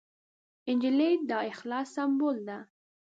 نجلۍ د اخلاص سمبول ده.